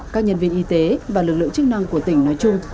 các nhân viên y tế và lực lượng chức năng của tỉnh nói chung